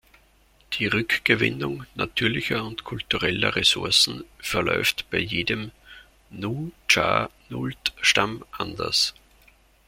Die Rückgewinnung natürlicher und kultureller Ressourcen verläuft bei jedem Nuu-chah-nulth-Stamm anders.